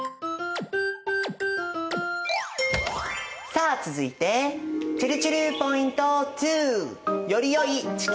さあ続いてちぇるちぇるポイント２。